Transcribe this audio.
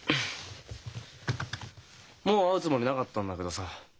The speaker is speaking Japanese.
もう会うつもりなかったんだけどさ